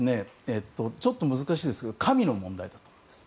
ちょっと難しいですが神の問題です。